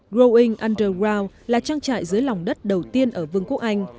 growing underground là trang trại dưới lòng đất đầu tiên ở vương quốc anh